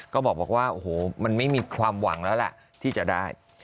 ก็บอกว่าโอ้โหมันไม่มีความหวังแล้วล่ะที่จะได้